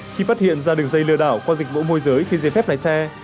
khi phát hiện ra đường dây lừa đảo qua dịch vụ môi giới thi dây phép lái xe